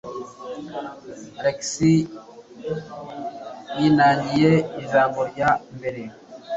Alex yinangiye ijambo rya mbere.